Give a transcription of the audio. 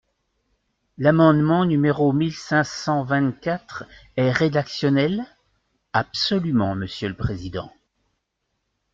L’amendement numéro mille cinq cent vingt-quatre est rédactionnel ? Absolument, monsieur le président.